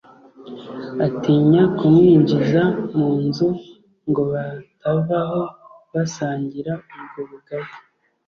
atinya kumwinjiza mu nzu ngo batavaho basangira ubwo bugari,